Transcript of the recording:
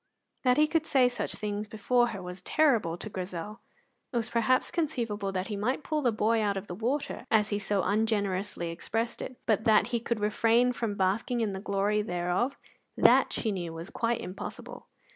That he could say such things before her was terrible to Grizel. It was perhaps conceivable that he might pull the boy out of the water, as he so ungenerously expressed it; but that he could refrain from basking in the glory thereof, that, she knew, was quite impossible.